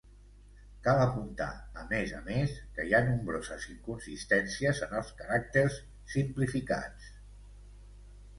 Cal apuntar, a més a més, que hi ha nombroses inconsistències en els caràcters simplificats.